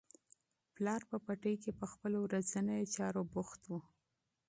پلار په پټي کې په خپلو ورځنیو چارو بوخت و.